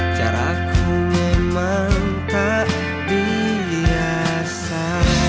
cara aku memang tak biasa